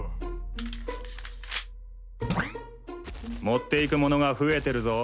持っていくものが増えてるぞ。